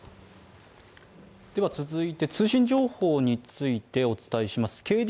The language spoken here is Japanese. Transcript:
続いて通信情報についてお伝えします。